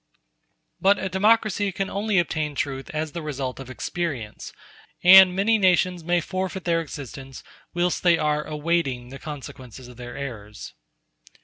But a democracy can only obtain truth as the result of experience, and many nations may forfeit their existence whilst they are awaiting the consequences of their errors.